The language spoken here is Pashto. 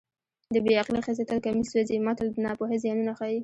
د بې عقلې ښځې تل کمیس سوځي متل د ناپوهۍ زیانونه ښيي